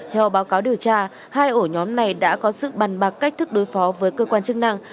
theo báo cáo điều tra hai ổ nhóm này đã có sự bàn bạc cách thức đối phó với cơ quan chức năng